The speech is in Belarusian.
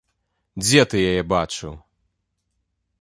Дзе ты яе бачыў?